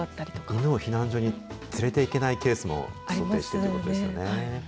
犬を避難所に連れていけないケースも想定しているということですね。